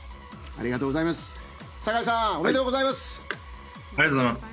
ありがとうございます。